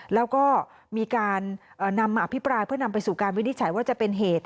แล้วก็มีการนำมาอภิปรายเพื่อนำไปสู่การวินิจฉัยว่าจะเป็นเหตุ